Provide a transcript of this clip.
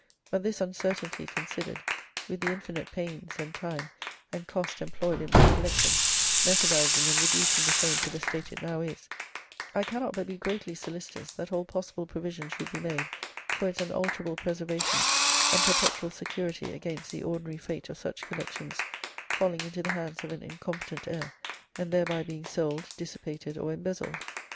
But this uncertainty considered, with the infinite pains, and time, and cost employed in my collecting, methodising and reducing the same to the state it now is, I cannot but be greatly solicitous that all possible provision should be made for its unalterable preservation and perpetual security against the ordinary fate of such collections falling into the hands of an incompetent heir, and thereby being sold, dissipated, or embezzled.